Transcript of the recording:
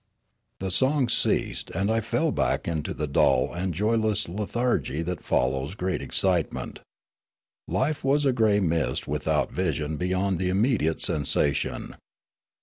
The song ceased, and I fell back into the dull and joyless lethargy that follows great excitement. lyife was a grey mist without vision beyond the immediate sensation.